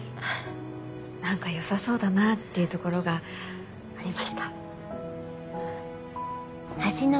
何か良さそうだなっていう所がありました。